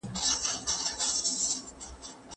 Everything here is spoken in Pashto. که لاره سمه وي نو هدف ته رسېږئ.